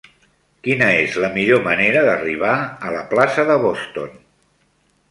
Quina és la millor manera d'arribar a la plaça de Boston?